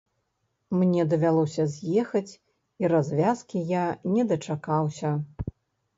Мне давялося з'ехаць, і развязкі я не дачакаўся.